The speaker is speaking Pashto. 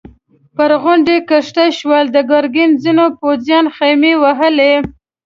پر غونډۍ کښته شول، د ګرګين ځينو پوځيانو خيمې وهلې.